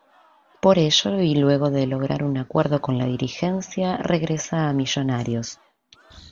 Por ello y luego de lograr un acuerdo con la dirigencia regresa a Millonarios.